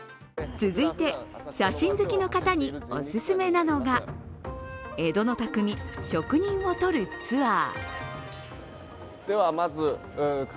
続いて、写真好きの方にオススメなのが、江戸の匠・職人を撮るツアー。